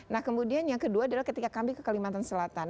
nah kemudian yang kedua adalah ketika kami ke kalimantan selatan